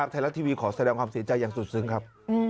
ไทยรัฐทีวีขอแสดงความเสียใจอย่างสุดซึ้งครับ